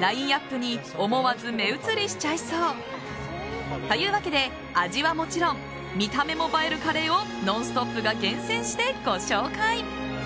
ラインアップに思わず目移りしちゃいそう。というわけで、味はもちろん見た目も映えるカレーを「ノンストップ！」が厳選してご紹介。